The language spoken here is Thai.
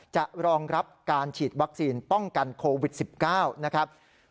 รองรับการฉีดวัคซีนป้องกันโควิด๑๙นะครับ